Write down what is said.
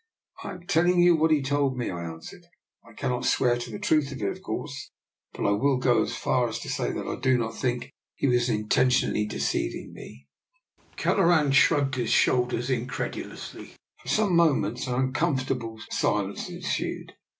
"" I am telling you what he told me," I answered. " I cannot swear to the truth of it, of course, but I will go so far as to say that I do not think he was intentionally de the un^S^^^ shrugged his shoulders incredu nessed." ^^^ some moments an uncomfort DR. NIKOLA'S EXPERIMENT. 51 able silence ensued.